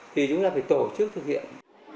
thì chúng ta phải tổ chức thực hiện